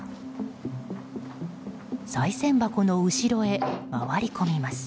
さい銭箱の後ろへ回り込みます。